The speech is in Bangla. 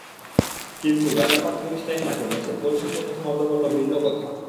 কিন্তু রাজারবাগ পুলিশ লাইন মাঠে ম্যাচের গোলশূন্য প্রথমার্ধ বলল ভিন্ন কথা।